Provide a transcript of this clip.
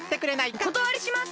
おことわりします！